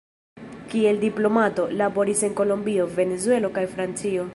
Kiel diplomato, laboris en Kolombio, Venezuelo kaj Francio.